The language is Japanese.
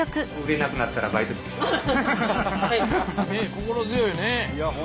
心強いよね。